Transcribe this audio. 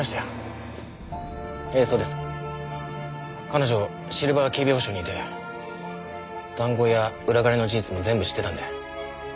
彼女シルバー警備保障にいて談合や裏金の事実も全部知ってたんで。